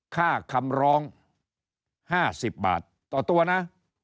ค่าคำร้อง๕๐บาทต่อตัวนะ